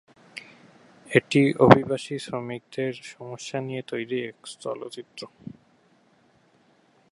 এটি, অভিবাসী শ্রমিকদের সমস্যা নিয়ে তৈরী এক চলচ্চিত্র।